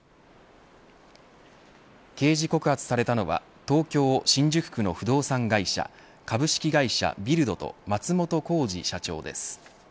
刑事告発されたのは東京、新宿区の不動産会社株式会社ビルドと松本幸二社長です。